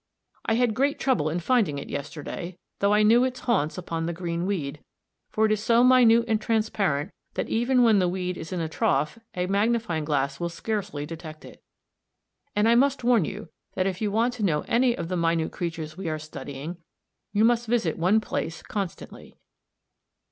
I had great trouble in finding it yesterday, though I knew its haunts upon the green weed, for it is so minute and transparent that even when the weed is in a trough a magnifying glass will scarcely detect it. And I must warn you that if you want to know any of the minute creatures we are studying, you must visit one place constantly.